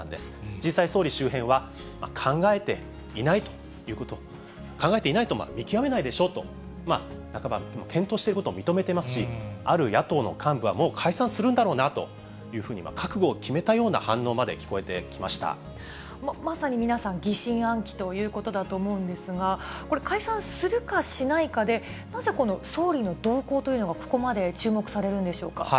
実際、総理周辺は、考えていないと見極めないでしょうと、半ば検討していることを認めていますし、ある野党の幹部は、もう解散するんだろうなというふうに覚悟を決めたような反応までまさに皆さん、疑心暗鬼ということだと思うんですが、これ、解散するかしないかで、なぜこの総理の動向というのが、ここまで注目されるんでしょうか。